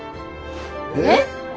えっ！？